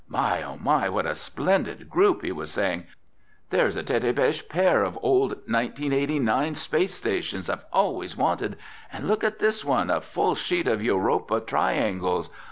"My, oh, my, what a splendid group!" he was saying. "There's a tete beche pair of old 1989 Space Stations I've always wanted! And look at this one—a full sheet of Europa triangles!